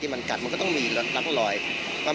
มันไม่ใช่แหละมันไม่ใช่แหละ